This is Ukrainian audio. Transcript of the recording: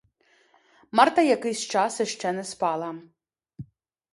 Марта якийсь час іще не спала.